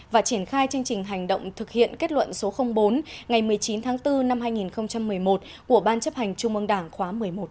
và triển khai chương trình hành động thực hiện kết luận số bốn ngày một mươi chín tháng bốn năm hai nghìn một mươi một của ban chấp hành trung mương đảng khóa một mươi một